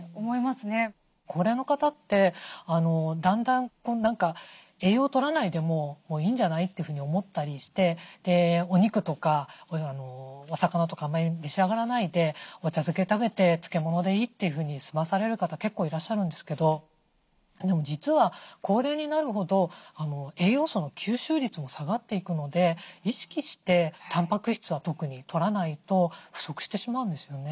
高齢の方ってだんだん栄養とらないでもいいんじゃないって思ったりしてお肉とかお魚とかあんまり召し上がらないでお茶漬け食べて漬物でいいというふうに済まされる方結構いらっしゃるんですけどでも実は高齢になるほど栄養素の吸収率も下がっていくので意識してたんぱく質は特にとらないと不足してしまうんですよね。